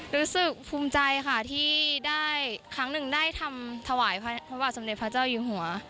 รู้สึกภูมิใจค่ะที่ได้ครั้งหนึ่งได้ทำถวายพระบาทสมเด็จพระเจ้าอยู่หัว